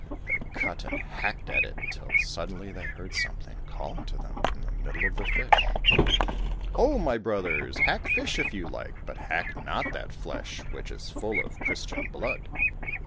They cut and hacked at it till suddenly they heard something calling to them from the middle of the fish, " Ho ! my brothers ! hack fish if you like, but hack not that flesh which is full of Christian blood